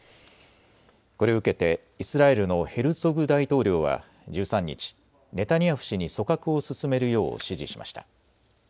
これを受けてイスラエルのヘルツォグ大統領は１３日、ネタニヤフ氏に組閣を進めるよう指示しました。